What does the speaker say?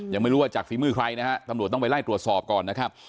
ยังไม่รู้ว่าจากฝีมือใครนะฮะตำรวจต้องไปไล่ตรวจสอบก่อนนะครับ